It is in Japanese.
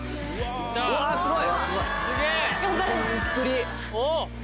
うわすごい！